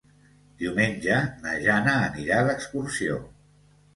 Diumenge na Jana anirà d'excursió.